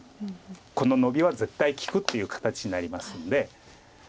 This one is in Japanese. このノビは絶対利くっていう形になりますんで。